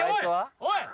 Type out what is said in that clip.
おい！